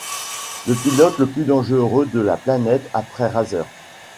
Le pilote le plus dangereux de la planète après Razer.